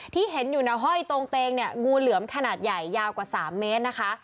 ที่เห็นอยู่ในห้อยตรงเตงเนี่ยงูเหลือมขนาดใหญ่ยาวกว่า๓เมตรนะคะ